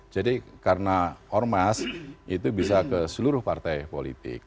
jadi karena ormas itu bisa ke seluruh partai politik